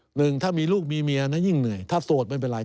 หนึ่งถ้ามีลูกมีเมียนะยิ่งเหนื่อยถ้าโสดไม่เป็นไร